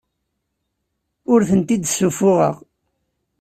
Ur tent-id-ssuffuɣeɣ.